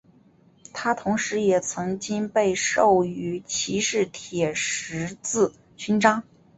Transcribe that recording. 他同时也曾经被授予骑士铁十字勋章。